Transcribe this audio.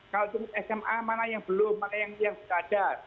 kalau sma mana yang belum mana yang tidak ada